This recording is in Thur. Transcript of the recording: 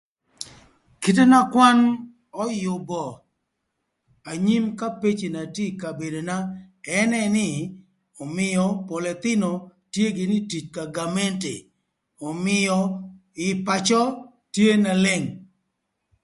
Kite na kwan öyübö anyim ka peci na tye ï kabedona ënë nï ömïö pol ëthïnö tye gïnï ï tic ka gamenti, ömïö ï pacö tye na leng.